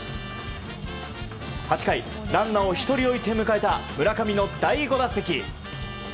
８回ランナーを１人置いて迎えた村上の第５打席。